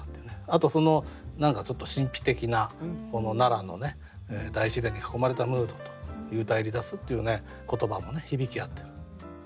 あと何かちょっと神秘的な奈良の大自然に囲まれたムードと「幽体離脱」っていう言葉も響き合ってる。